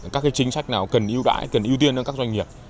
các cái chính sách nào cần ưu đại cần ưu tiên cho các doanh nghiệp